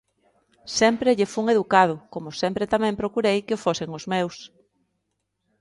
sempre lle fun educado, como sempre tamén procurei que o fosen os meus;